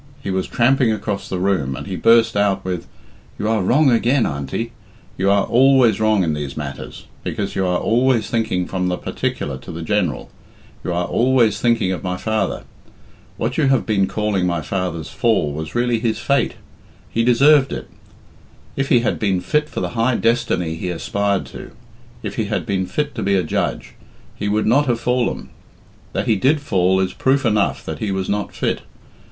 He was tramping across the room, and he burst out with, "You are wrong again, Auntie. You are always wrong in these matters, because you are always thinking from the particular to the general you are always thinking of my father. What you have been calling my father's fall was really his fate. He deserved it. If he had been fit for the high destiny he aspired to if he had been fit to be a judge, he would not have fallen. That he did fall is proof enough that he was not fit.